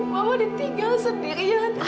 mama ditinggal sendirian